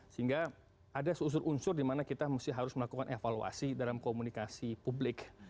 sehingga ada unsur unsur di mana kita harus melakukan evaluasi dalam komunikasi publik